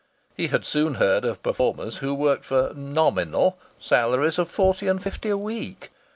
He had soon heard of performers who worked for "nominal" salaries of forty and fifty a week.